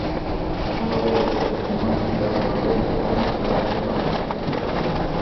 শুনা যায়, উমার পিতা উমাকে প্রায় মাঝে মাঝে বাড়ি আনিতে চেষ্টা করেন।